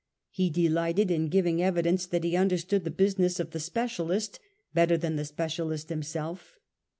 He delighted in giving evidence that he understood the business of the specialist better than the specialist himself.